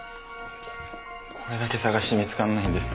これだけ探して見つからないんです。